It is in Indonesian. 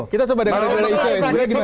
kita coba dengar dengar dulu